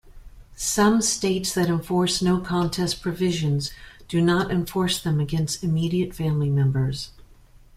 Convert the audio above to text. Some states that enforce no-contest provisions do not enforce them against immediate family members.